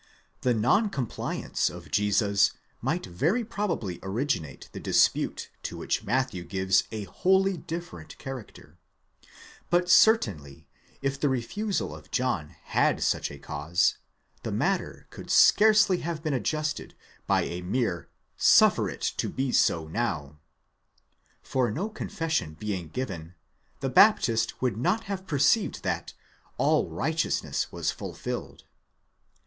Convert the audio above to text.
The non compliance of Jesus might very probably originate the dispute to which Matthew gives a wholly different character; but certainly, if the refusal of John had such a cause, the matter could scarcely have been adjusted by a mere suffer tt to be so now, for no confession being given, the Baptist would not have perceived that all righteousness was fulfilled.